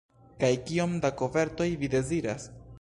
Kaj kiom da kovertoj vi deziras?